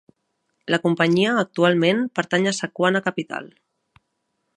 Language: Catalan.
La companyia, actualment, pertany a Sequana Capital.